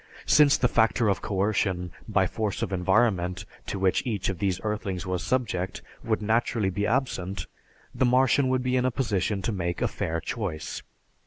Since the factor of coercion by force of environment to which each of these earthlings was subject would naturally be absent, the Martian would be in a position to make a fair choice.